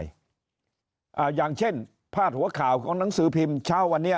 อย่างเช่นพาดหัวข่าวของหนังสือพิมพ์เช้าวันนี้